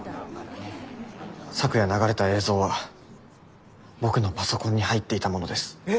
昨夜流れた映像は僕のパソコンに入っていたものです。え！？